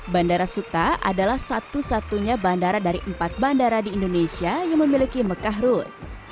bandara suta adalah satu satunya bandara dari empat bandara di indonesia yang memiliki mekah road